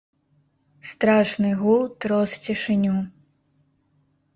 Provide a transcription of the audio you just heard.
Страшны гул трос цішыню.